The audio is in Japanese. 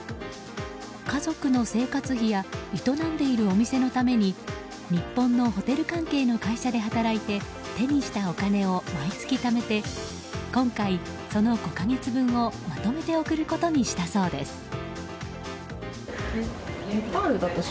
家族の生活費や営んでいるお店のために日本のホテル関係の会社で働いて手にしたお金を毎月ためて今回、その５か月分をまとめて送ることにしたそうです。